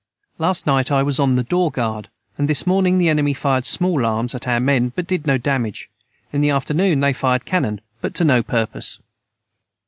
Last night I was on the door guard and this morning the enemy fired small arms at our men but did no Damage in the afternoon they fired canon but to no purpose.